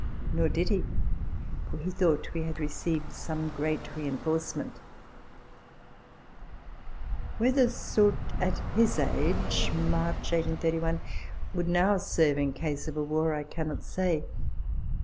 Nor did he ; for he thought we had received some great reinforcement.* Whether Soult, at his age [March 1831] would now serve in case of a war I cannot say.